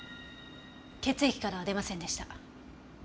血液からは出ませんでした。